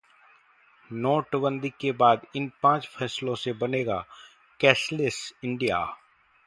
नोटबंदी के बाद इन पांच फैसलों से बनेगा कैशलेस इंडिया